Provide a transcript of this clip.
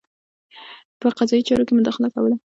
په قضايي چارو کې یې مداخله کوله.